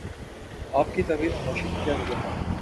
آپ کی طویل خاموشی کی کیا وجہ ہے؟